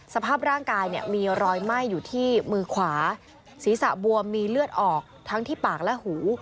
สภาพร่างกายเนี่ยมีรอยไหม้อยู่ที่มือขวาศีรษะบวมมีเลือดออกทั้งที่ปากและหู